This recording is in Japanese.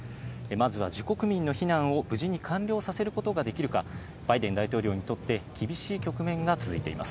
まずは自国民の避難を無事に完了させることができるか、バイデン大統領にとって厳しい局面が続いています。